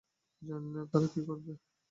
জানি না, তারা কি করবে।